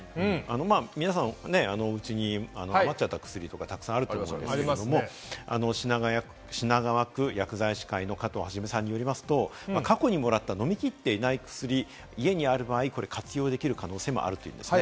皆さん、おうちに余っちゃったお薬とかあると思うんですけれど、品川区薬剤師会の加藤肇さんによりますと、過去にもらった飲みきっていない薬、家にある場合、これが活用できる場合もあるということです。